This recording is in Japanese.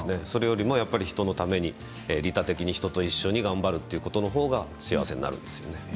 それよりも人のために利他的に人と一緒に頑張るということのほうが幸せになるんですよね。